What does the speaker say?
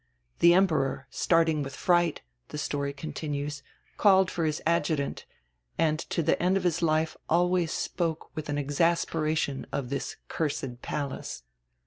The Emperor, start ing with fright, the story continues, called for his adjutant, and to die end of his life always spoke with exasperation of this 'cursed palace.'"